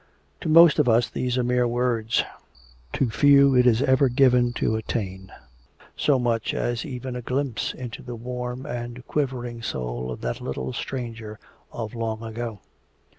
To most of us these are mere words. To few is it ever given to attain so much as even a glimpse into the warm and quivering soul of that little stranger of long ago.